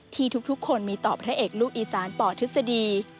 ที่ทุกคนมีต่อพระเอกลูกอีสานปทฤษฎี